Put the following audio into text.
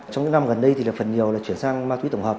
trong những năm gần đây thì là phần nhiều là chuyển sang ma túy tổng hợp